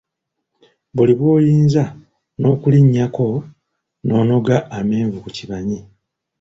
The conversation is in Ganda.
Buli bwoyinza nokulinyako nonoga amenvu ku kibanyi!